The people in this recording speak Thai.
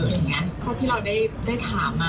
อะไรแบบนี้ถ้าที่เราได้ถามมา